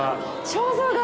肖像画！